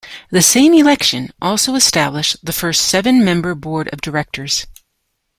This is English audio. The same election also established the first seven-member board of directors.